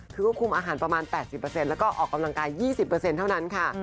คือควบคุมอาหารประมาณ๘๐แล้วก็ออกกำลังกาย๒๐เท่านั้นค่ะ